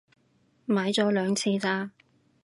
買咗兩次咋